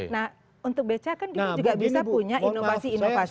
nah untuk bca kan juga bisa punya inovasi inovasi